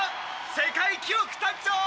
世界記録誕生！」